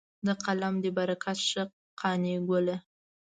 د قلم دې برکت شه قانع ګله.